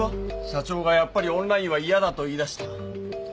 社長がやっぱりオンラインは嫌だと言い出した。